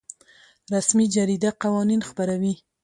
رسمي جریده قوانین خپروي